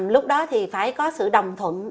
lúc đó thì phải có sự đồng thuận